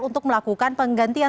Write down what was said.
untuk melakukan penyelidikan